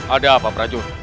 ada apa praju